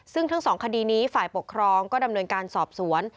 ซึ่งทั้งสองคดีนี้ฝ่ายปกครองก็ดำเนินการสอบสวน